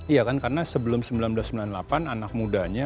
iya kan karena sebelum seribu sembilan ratus sembilan puluh delapan anak mudanya